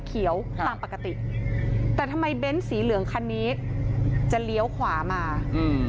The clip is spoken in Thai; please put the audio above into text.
เขียวตามปกติแต่ทำไมเบ้นสีเหลืองคันนี้จะเลี้ยวขวามาอืม